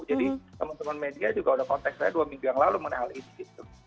jadi teman teman media juga udah konteks saya dua minggu yang lalu mengenai hal ini